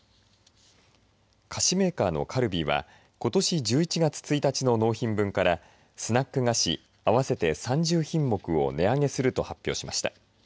菓子メーカーのカルビーはことし１１月１日の納品分からスナック菓子、合わせて３０品目を値上げすると発表しました。